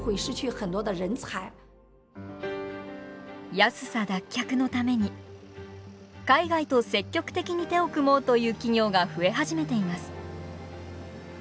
安さ脱却のために海外と積極的に手を組もうという企業が増え始めています。